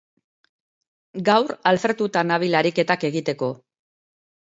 Gaur alfertuta nabil ariketak egiteko.